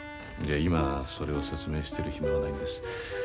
今それを説明してる暇はないんです。